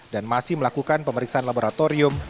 dan masih melakukan pemeriksaan laboratoris